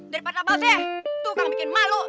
daripada apa apa tukang bikin malu